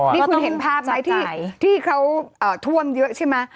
นี่คุณเห็นภาพไหมที่เขาท่วมเยอะใช่ไหม